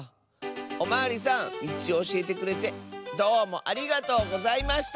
おまわりさんみちをおしえてくれてどうもありがとうございました！